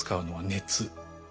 熱？